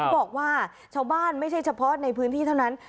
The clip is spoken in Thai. บอกว่าชาวบ้านไม่ใช่เฉพาะในพื้นที่เท่านั้น